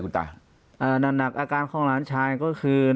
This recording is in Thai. ปากกับภาคภูมิ